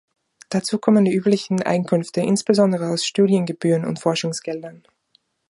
Dazu kommen die üblichen Einkünfte insbesondere aus Studiengebühren und Forschungsgeldern.